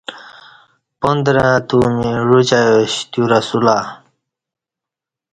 پاندرہ ا تومی عوچ ایاش تیو رسولہ